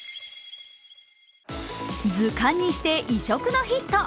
時間にして異色のヒット。